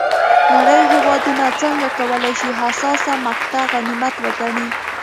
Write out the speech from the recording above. نړۍ هېوادونه څنګه کولای شي حساسه مقطعه غنیمت وګڼي.